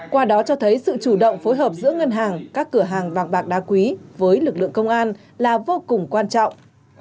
qua đó cho thấy sự chủ động phối hợp giữa ngân hàng các cửa hàng vàng bạc đá quý với lực lượng công an là vô cùng quan trọng